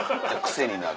癖になる。